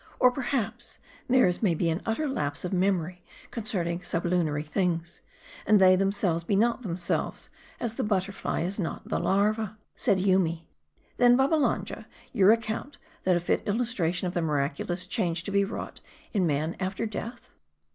Or, perhaps, theirs may be an utter lapse of mem ory concerning sublunary things ; and they themselves be not themselves, as the butterfly is not the larva." Said Yoomy, " 'Then, Babbalanja, you account that a fit illustration of the miraculous change to be wrought in man after death